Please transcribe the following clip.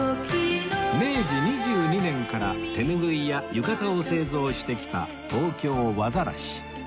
明治２２年から手ぬぐいや浴衣を製造してきた東京和晒